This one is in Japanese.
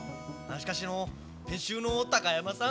しかしあの編集の高山さん